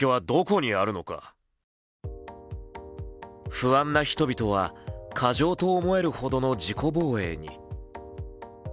不安な人々は過剰と思えるほどの自己防衛に。